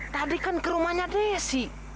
tadi kan ke rumahnya desi